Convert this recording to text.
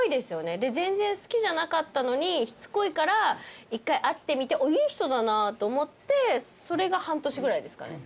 で全然好きじゃなかったのにしつこいから１回会ってみていい人だなと思ってそれが半年ぐらいですかね。